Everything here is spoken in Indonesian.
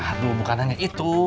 aduh bukan hanya itu